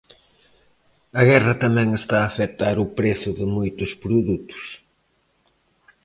A guerra tamén está a afectar o prezo de moitos produtos.